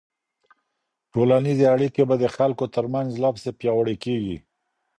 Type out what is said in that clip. ټولنيزې اړيکې به د خلګو ترمنځ لا پسې پياوړي کيږي.